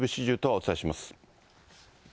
お伝えします。